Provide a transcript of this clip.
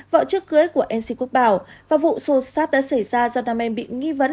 vợ chiếc cưới của mc quốc bảo và vụ xô xát đã xảy ra do nam em bị nghi vấn